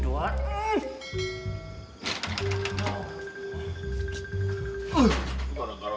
udah udah udah